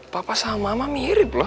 papa sama mama mirip loh